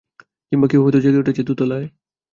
কিংবা কেউ হয়তো জেগে উঠেছে দোতলায়।